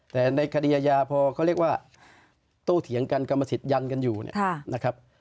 แต่ในคดียาพอเขาเรียกว่าโต้เถียงกันกรรมศิษยันต์กันอยู่นะครับ